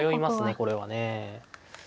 これはね。